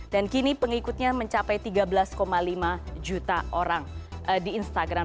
dan kini pengikutnya mencapai tiga belas lima juta orang di instagram